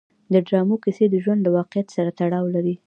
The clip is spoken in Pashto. د ډرامو کیسې د ژوند له واقعیت سره تړاو لري.